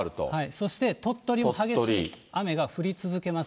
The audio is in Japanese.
そして鳥取も激しい雨が降り続けます。